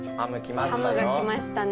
ハムが来ましたね。